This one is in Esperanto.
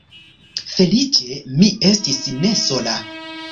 Feliĉe mi estis ne sola.